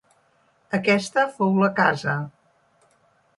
Aquesta fou la casa.